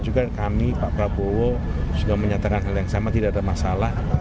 juga kami pak prabowo sudah menyatakan hal yang sama tidak ada masalah